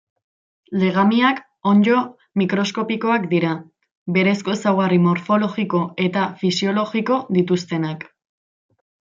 Legamiak onddo mikroskopikoak dira, berezko ezaugarri morfologiko eta fisiologiko dituztenak.